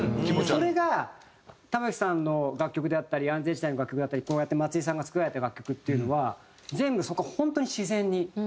それが玉置さんの楽曲であったり安全地帯の楽曲であったりこうやって松井さんが作られた楽曲っていうのは全部そこ本当に自然に。